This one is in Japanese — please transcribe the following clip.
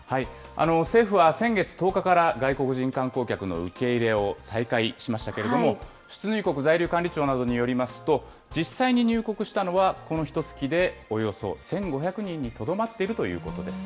政府は先月１０日から外国人観光客の受け入れを再開しましたけれども、出入国在留管理庁によりますと、実際に入国したのはこのひとつきでおよそ１５００人にとどまっているということです。